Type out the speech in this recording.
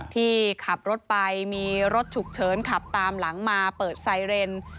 ที่ขับรถไปมีรถฉุกเฉินขับตามหลังมาเปิดไซเรน